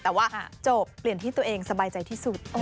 แต่ว่าจบเปลี่ยนที่ตัวเองสบายใจที่สุด